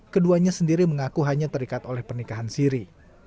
keduanya sendiri mengaku hanya terikat oleh pernikahan siri